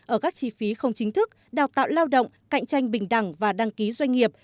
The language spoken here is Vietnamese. ở các chi phí không chính thức đào tạo lao động cạnh tranh bình đẳng và đăng ký doanh nghiệp